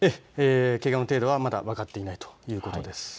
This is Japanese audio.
けがの程度はまだ分かっていないということです。